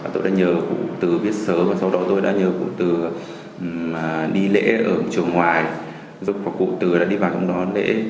từ ngoài dục và cụ tử đã đi vào trong đó lễ